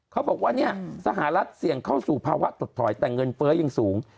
เขาบอกว่าเนี่ยสหรัฐเสี่ยงเข้าสู่ภาวะถดถอยแต่เงินเฟ้อยังสูง